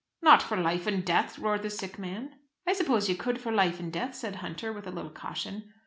"Not for life and death?" roared the sick man. "I suppose you could for life and death," said Hunter, with a little caution.